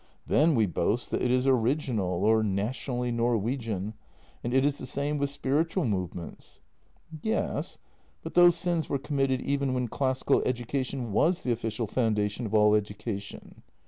Then we boast that it is original or 174 JENNY nationally Norwegian. And it is the same with spiritual move ments." " Yes, but those sins were committed even when classical education was the official foundation of all education."